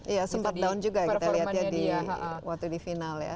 iya sempat down juga kita lihat ya di waktu di final ya